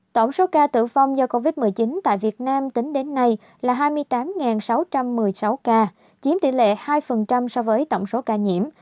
tổng số ca tử vong do covid một mươi chín tại việt nam tính đến nay là hai mươi tám sáu trăm một mươi sáu ca chiếm tỷ lệ hai so với tổng số ca nhiễm